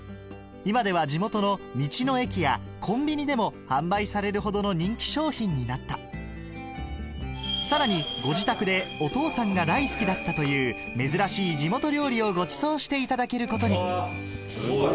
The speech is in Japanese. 今では地元の道の駅やコンビニでも販売されるほどの人気商品になったさらにご自宅でお父さんが大好きだったという珍しい地元料理をごちそうしていただけることにうわ！